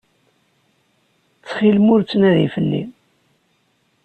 Ttxilem ur ttnadi fell-i.